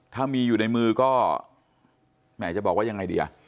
ถ้ามีอยู่ในมือก็แหมจะบอกว่ายังไงดีอ่ะ